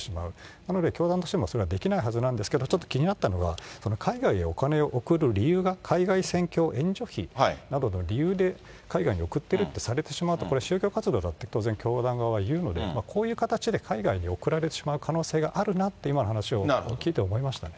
なので、教団としてもそれはできないはずなんですけれども、ちょっと気になったのは、海外へお金を送る理由が、海外宣教援助費などのなどの理由で海外に送っているとされてしまうと、これ、宗教活動が、当然、教団側は言うので、こういう形で海外に送られてしまう可能性があるなって、今の話を聞いて思いましたね。